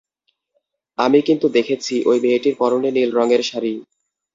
আমি কিন্তু দেখেছি, ঐ মেয়েটির পরনে নীল রঙের শাড়ি।